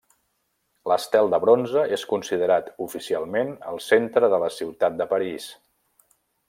L'estel de bronze és considerat oficialment el centre de la ciutat de París.